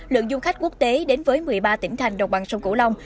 lượng du khách quốc tế đến với một mươi ba tỉnh thành đồng bằng sông cửu long